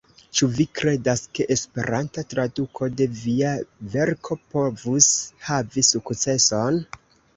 Ĉu vi kredas ke Esperanta traduko de via verko povus havi sukceson?